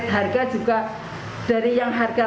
harga juga dari yang harga